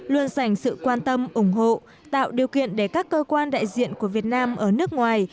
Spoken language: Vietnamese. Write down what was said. luôn dành sự quan tâm ủng hộ tạo điều kiện để các cơ quan đại diện của việt nam ở nước ngoài